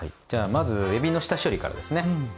じゃあまずえびの下処理からですね。